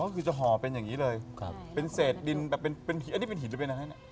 ก็คือจะห่อเป็นอย่างนี้เลยครับเป็นเศษดินแบบเป็นหินอันนี้เป็นหินหรือเป็นอะไรเนี่ย